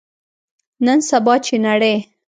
نن سبا، چې نړۍ